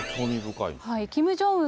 キム・ジョンウン